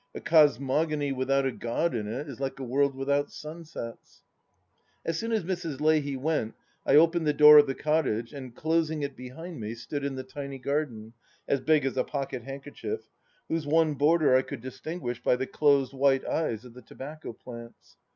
A Cosmogony without a God in it is like a world without sunsets. As soon as Mrs. Leahy went I opened the door of the cottage and, closing it behind me, stood in the tiny garden — as big as a pocket handkerchief — ^whose one border I could dis tinguish by the closed white eyes of the tobacco plants.